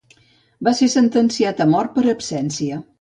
Va ser sentenciat a mort per absència.